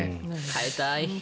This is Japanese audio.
変えたい！